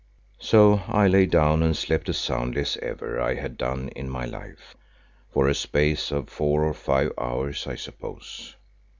So I lay down and slept as soundly as ever I had done in my life, for a space of four or five hours I suppose.